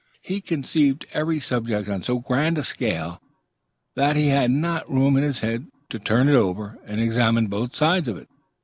He conceived every subject on so grand a scale that he had not room in his head to turn it over and examine both sides of it.